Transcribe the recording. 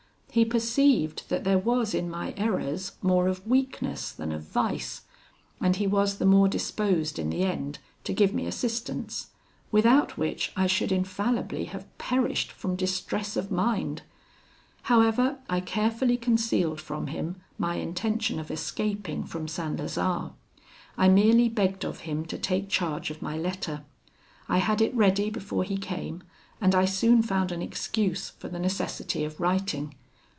He perceived that there was in my errors more of weakness than of vice; and he was the more disposed in the end to give me assistance; without which I should infallibly have perished from distress of mind. However, I carefully concealed from him my intention of escaping from St. Lazare. I merely begged of him to take charge of my letter; I had it ready before he came, and I soon found an excuse for the necessity of writing.